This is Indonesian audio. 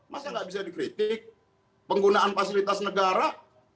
masa nggak bisa dikritik penggunaan fasilitas negara